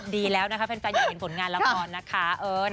ดีแล้วนะคะแฟนอยากเห็นผลงานละครนะคะ